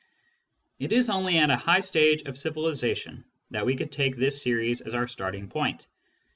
It is only at a high stage of civilisation that we could take this series as our starting point.